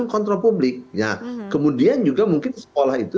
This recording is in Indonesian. kemudian juga mungkin sekolah itu